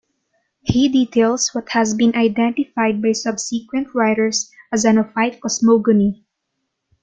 He details what has been identified by subsequent writers as an Ophite cosmogony.